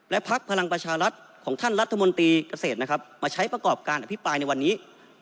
พักพลังประชารัฐของท่านรัฐมนตรีเกษตรนะครับมาใช้ประกอบการอภิปรายในวันนี้